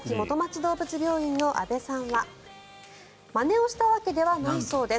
どうぶつ病院の阿部さんはまねをしたわけではないそうです。